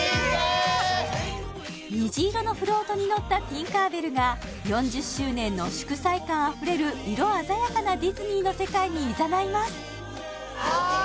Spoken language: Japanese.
虹色のフロートに乗ったティンカー・ベルが４０周年の祝祭感あふれる色鮮やかなディズニーの世界にいざないますああ